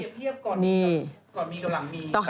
เปรียบเทียบก่อนมีกับหลังมี